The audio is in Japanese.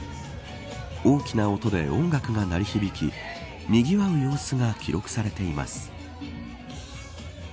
大きな音で音楽が鳴り響きにぎわう様子が記録されています。